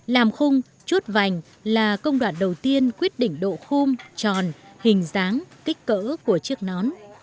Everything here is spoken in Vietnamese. làm khung chuốt vành là công đoạn đầu tiên quyết định độ khung tròn hình dáng kích cỡ của chiếc nón